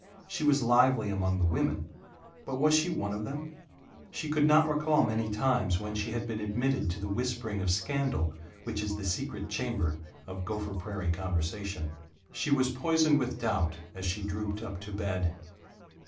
She was lively among the women but was she one of them? She could not recall many times when she had been admitted to the whispering of scandal which is the secret chamber of Gopher Prairie conversation. She was poisoned with doubt, as she drooped up to bed.